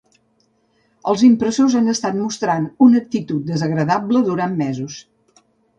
Els impressors han estat mostrant una actitud desagradable durant mesos.